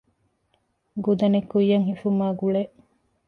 ގުދަނެއް ކުއްޔަށް ހިފުމާ ގުޅޭ